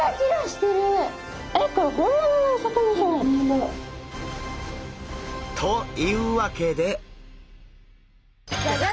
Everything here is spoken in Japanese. えっこれ本物のお魚？というわけで。